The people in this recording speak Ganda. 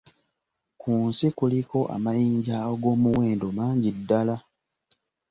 Ku nsi kuliko amayinja ag'omuwendo mangi ddala